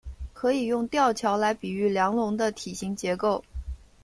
可以用吊桥来比喻梁龙的体型结构。